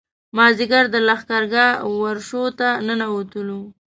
مازیګر د لښکرګاه ورشو ته ننوتلو.